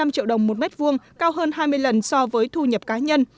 ba mươi năm triệu đồng một mét vuông cao hơn hai mươi lần so với thu nhập cá nhân